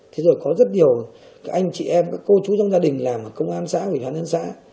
thế rồi có rất nhiều anh chị em các cô chú trong gia đình làm ở công an xã vị đoàn xã